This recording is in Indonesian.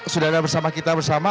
sudah ada bersama kita bersama